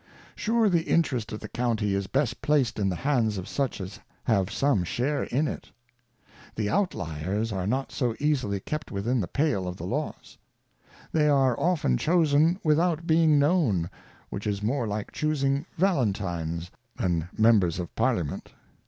' Sure the Interest of the County is best placed in the hands of such as have some share in it. The Outliers are not so easily kept within the pale of the Laws. They are often chosen without being known, which is more like chusing Valentines, than Members of Parliament.